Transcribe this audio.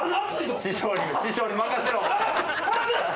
師匠に任せろあっ！